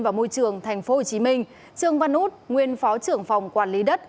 và môi trường tp hcm trương văn út nguyên phó trưởng phòng quản lý đất